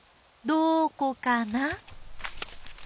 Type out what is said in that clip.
どーこかな？